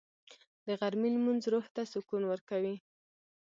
د غرمې لمونځ روح ته سکون ورکوي